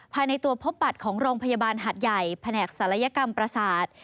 ภายในตัวพบบัตรของโรงพยาบาลหัดใหญ่แผนกศัลยกรรมประสาท